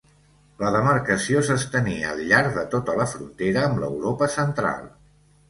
La demarcació s'estenia al llarg de tota la frontera amb l'Europa Central.